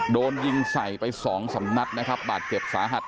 โดนยิงใส่ไปสองสำนัดนะครับบาดเจ็บสาหัส